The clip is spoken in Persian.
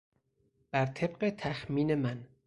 بر طبق تخمین من